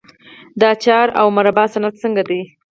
د اچار او مربا صنعت څنګه دی؟